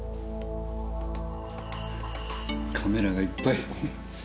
カメラがいっぱい。